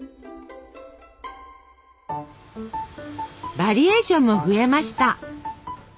バリエーションも増えました。